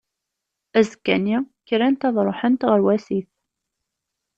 Azekka-nni, krent ad ruḥent, ɣer wasif.